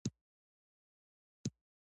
د ونو زخمونه په څه شي وتړم؟